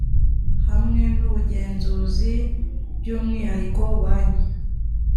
hamwe n ubugenzuzi by umwihariko banki